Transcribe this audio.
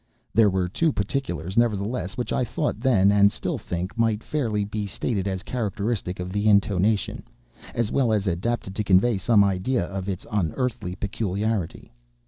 There were two particulars, nevertheless, which I thought then, and still think, might fairly be stated as characteristic of the intonation—as well adapted to convey some idea of its unearthly peculiarity.